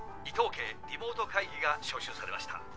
伊藤家リモート会議が招集されました。